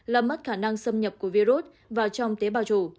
làm mất khả năng xâm nhập của virus vào trong tế bào trụ